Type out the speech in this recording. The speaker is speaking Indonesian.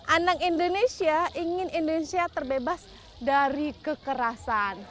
anak indonesia ingin indonesia terbebas dari kekerasan